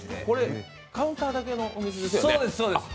これ、カウンターだけのお店よね。